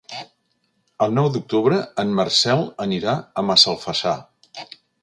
El nou d'octubre en Marcel anirà a Massalfassar.